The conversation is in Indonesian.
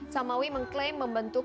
samawi mengklaim membentuk